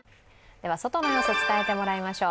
では外の様子を伝えてもらいましょう。